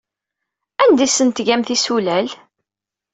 Anda ay asent-tgam tisulal?